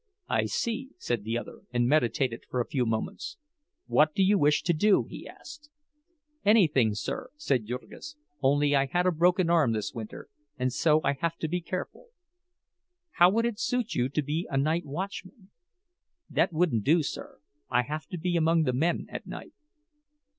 "I see," said the other, and meditated for a few moments. "What do you wish to do?" he asked. "Anything, sir," said Jurgis—"only I had a broken arm this winter, and so I have to be careful." "How would it suit you to be a night watchman?" "That wouldn't do, sir. I have to be among the men at night."